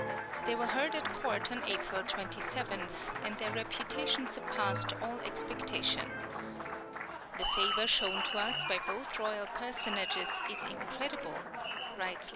[20028] They were heard at court on April 27, and their reception surpassed all expectation. "The favour shown to us by both royal personages is incredible," writes L.